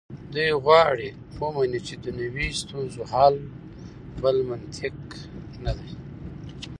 دوی نه غواړي ومني چې دنیوي ستونزو حل بل منطق ته ده.